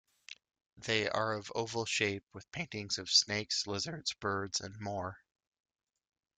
They are of oval shape with paintings of snakes, lizards, birds and more.